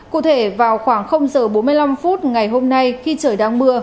cụ thể vào khoảng h bốn mươi năm phút ngày hôm nay khi trời đang mưa